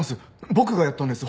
僕がやったんです。